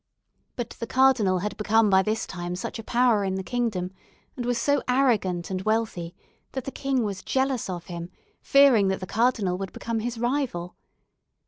But the cardinal had become by this time such a power in the kingdom, and was so arrogant and wealthy that the king was jealous of him, fearing that the cardinal would become his rival.